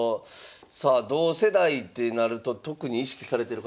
さあ同世代ってなると特に意識されてる方